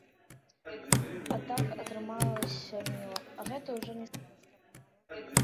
А так атрымалася міла, а гэта ўжо не сказаць, каб мала.